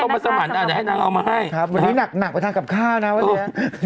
ยัยหยวนล่วงหน้าส่งมัสมันมาให้เราได้ไพลด้วยนะคะให้นางเอามาให้